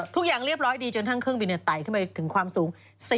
ทุกอย่างเรียบร้อยดีจนทั้งเครื่องบินนี่ไต่ขึ้นไปถึงความสูง